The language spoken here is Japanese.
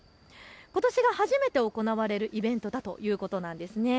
ことし初めて行われるイベントだということです。